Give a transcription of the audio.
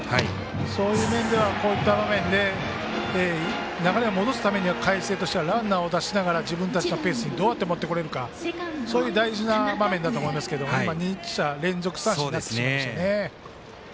そういう意味ではこういう場面で流れを戻すためには海星としてはランナーを出しながら自分たちのペースにどうやって持ってこれるかそういう大事な場面だと思いますが２者連続三振になってしまいました。